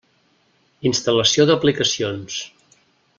Instal·lació d'aplicacions.